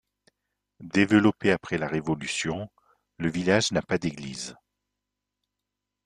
Développé après la Révolution, le village n'a pas d'église.